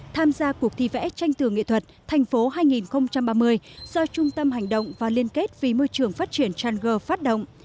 tham gia cuộc thi vẽ tranh tường nghệ thuật thành phố hai nghìn ba mươi do trung tâm hành động và liên kết vì môi trường phát triển tranger phát động